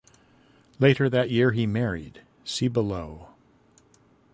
Later that year he married (see below).